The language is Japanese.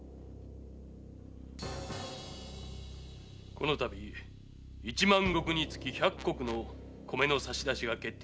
この度一万石につき百石の米の差し出しが決定いたしました。